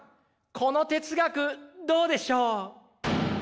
この哲学どうでしょう？